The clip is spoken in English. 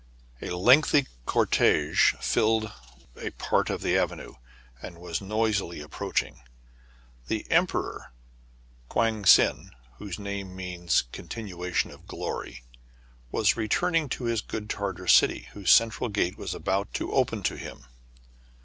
A lengthy cortege filled a part of the avenue, and was noisily approaching. The Emperor Koang Sin, whose name means " Continuation of Glory, was returning to his good Tartar city, whose central gate was about to open to him.